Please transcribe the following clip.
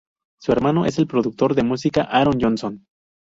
Su hermano es el productor de música Aaron Johnson.